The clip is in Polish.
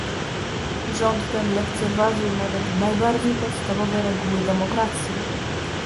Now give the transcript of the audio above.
Rząd ten lekceważy nawet najbardziej podstawowe reguły demokracji